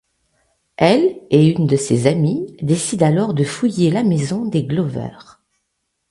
Elle et une de ses amies décident alors de fouiller la maison des Glover.